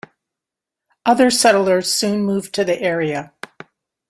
Other settlers soon moved to the area.